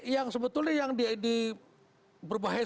yang sebetulnya yang diberbahaya